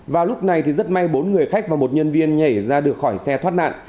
vào lúc này thì rất may bốn người khách và một nhân viên nhảy ra được khỏi xe thoát nạn